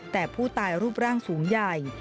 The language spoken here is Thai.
แต่ผู้ตายรูปร่างสูงใหญ่